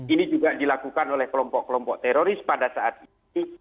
ini juga dilakukan oleh kelompok kelompok teroris pada saat ini